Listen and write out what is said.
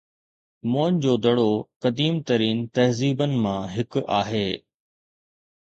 موئن جو دڙو قديم ترين تهذيبن مان هڪ آهي